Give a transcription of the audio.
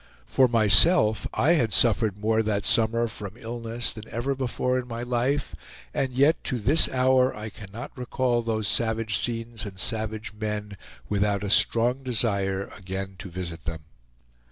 For myself I had suffered more that summer from illness than ever before in my life, and yet to this hour I cannot recall those savage scenes and savage men without a strong desire again to visit them.